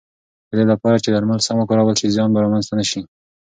د دې لپاره چې درمل سم وکارول شي، زیان به رامنځته نه شي.